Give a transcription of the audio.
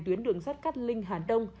tuyến đường sát cắt linh hà đông